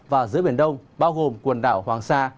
và giữa biển đông bao gồm quần đảo hoàng sa